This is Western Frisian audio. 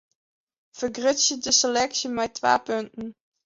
Fergrutsje de seleksje mei twa punten.